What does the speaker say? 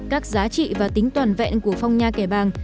các giá trị và tính toàn vẹn của phong nha kẻ bàng